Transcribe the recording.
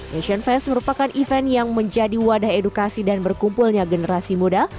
nation fest merupakan event yang menjadi wadah edukasi dan berkumpulnya generasi muda